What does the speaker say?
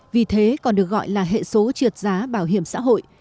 vì thế còn được gọi là hệ số trượt giá bảo hiểm xã hội